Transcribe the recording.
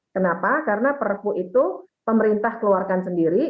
kenapa karena perpu itu pemerintah keluarkan sendiri